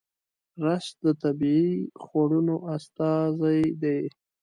رس د طبیعي خوړنو استازی دی